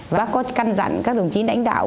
bác có căn dặn các đồng chí đánh đạo